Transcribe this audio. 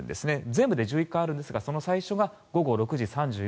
全部で１１回あるんですが最初は午後６時３４分